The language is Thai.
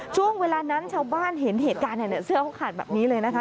ช่วงเวลานั้นชาวบ้านเห็นเหตุการณ์เสื้อเขาขาดแบบนี้เลยนะคะ